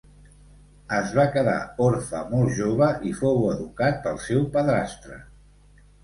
Es va quedar orfe molt jove i fou educat pel seu padrastre.